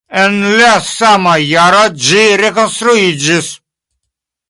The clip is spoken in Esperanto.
En la sama jaro ĝi rekonstruiĝis.